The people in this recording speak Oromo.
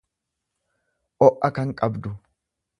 o'a kan qabdu.